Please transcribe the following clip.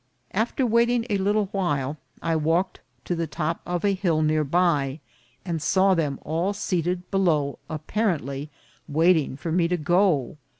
After waiting a little while, I walked to the top of a hill near by, and saw them all seated below, apparently waiting for me to go.